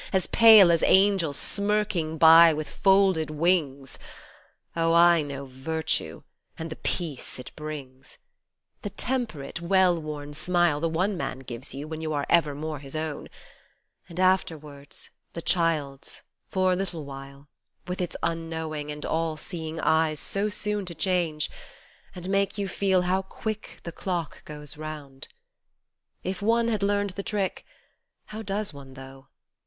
As pale as angels smirking by, with folded wings. Oh ! I know Virtue, and the peace it brings ! The temperate, well worn smile The one man gives you, when you are evermore his own : And afterwards the child's, for a little while, With its unknowing and all seeing eyes So soon to change, and make you feel how quick The clock goes round. If one had learned the trick (How does one though